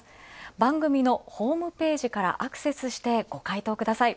番組のホームページからアクセスしてご回答ください。